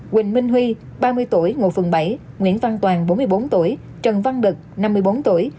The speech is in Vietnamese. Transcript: quỳnh minh huy ba mươi tuổi ngụ phường bảy nguyễn văn toàn bốn mươi bốn tuổi trần văn đực năm mươi bốn tuổi